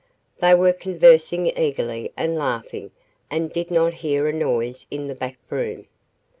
They were conversing eagerly and laughing and did not hear a noise in the back room.